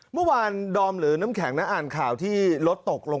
ดอมหรือน้ำแข็งนะอ่านข่าวที่รถตกลง